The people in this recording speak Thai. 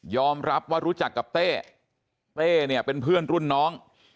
รับว่ารู้จักกับเต้เต้เนี่ยเป็นเพื่อนรุ่นน้อง